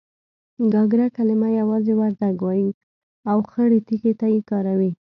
گاگره کلمه يوازې وردگ وايي او خړې تيږې ته يې کاروي.